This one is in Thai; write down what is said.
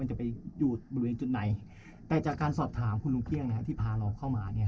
จะไปอยู่บริเวณจุดไหนแต่จากการสอบถามคุณลุงเครื่องที่พาเราเข้ามาเนี่ย